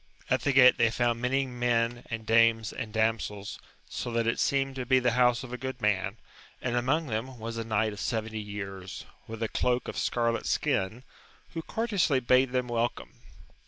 At the gate they found many men and dames and damsels, so that it seemed to be the house of a good man, and among them was a knight of seventy years, with a cloak of scarlet skin, who courteously bade him welcome.